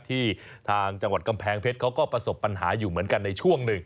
ทางจังหวัดกำแพงเพชรเขาก็ประสบปัญหาอยู่เหมือนกันในช่วงหนึ่ง